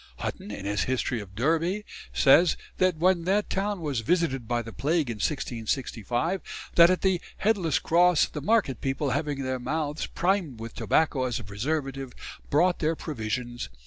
Hutton, in his "History of Derby," says that when that town was visited by the plague in 1665, that at the "Headless cross ... the market people, having their mouths primed with tobacco as a preservative, brought their provisions....